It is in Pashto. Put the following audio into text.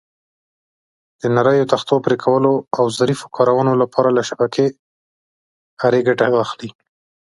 د نریو تختو پرېکولو او ظریفو کارونو لپاره له شبکې آرې ګټه اخلي.